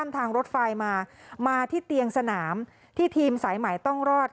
ทางรถไฟมามาที่เตียงสนามที่ทีมสายใหม่ต้องรอด